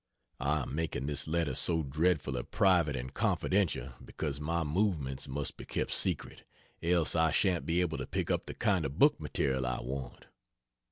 (I am making this letter so dreadfully private and confidential because my movements must be kept secret, else I shan't be able to pick up the kind of book material I want.)